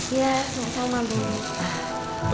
iya sama sama bu